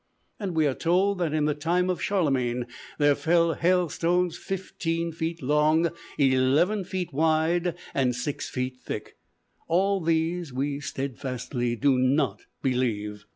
And we are told that in the time of Charlemagne, there fell hailstones fifteen feet long, eleven feet wide and six feet thick. All these we steadfastly do not believe.